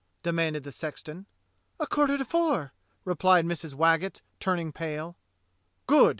demanded the sexton. "A quarter to four," replied Mrs. Waggetts, turning pale. "Good!"